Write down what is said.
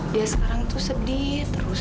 dia sekarang tuh sedih terus